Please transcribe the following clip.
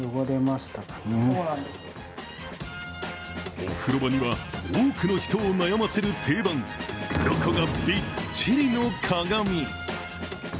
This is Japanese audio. お風呂場には多くの人を悩ませる定番、うろこがびっちりの鏡。